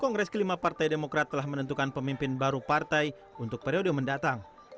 kongres kelima partai demokrat telah menentukan pemimpin baru partai untuk periode mendatang